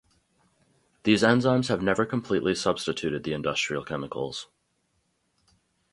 These enzymes have never completely substituted the industrial chemicals.